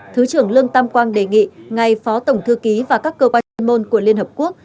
thứ trưởng lương tam quang đề nghị ngài phó tổng thư ký và các cơ quan chuyên môn của liên hợp quốc